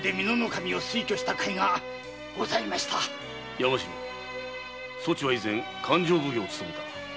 山城そちは以前勘定奉行を勤めた。